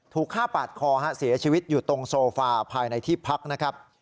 ถูกฆ่าปาดคอเสียชีวิตอยู่ตรงโซฟาภายในที่พักนะครับ